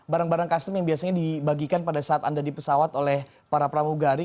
barang barang custom yang biasanya dibagikan pada saat anda di pesawat oleh para pramugari